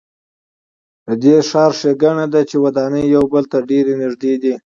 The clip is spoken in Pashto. د دې ښار ښېګڼه ده چې ودانۍ یو بل ته ډېرې نږدې دي.